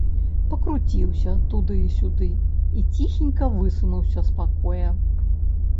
Пакруціўся туды і сюды і ціхенька высунуўся з пакоя.